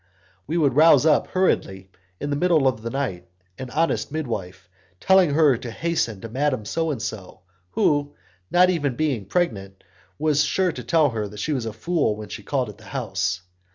We would rouse up hurriedly, in the middle of the night, an honest midwife, telling her to hasten to Madame So and so, who, not being even pregnant, was sure to tell her she was a fool when she called at the house.